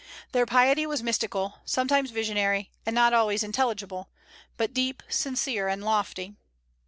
Their piety was mystical, sometimes visionary, and not always intelligible, but deep, sincere, and lofty.